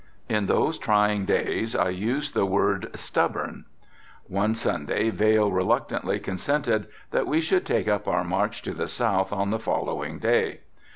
In those trying days I used the word 'stubborn.' One Sunday Vail reluctantly consented that we should take up our march to the south on the following day.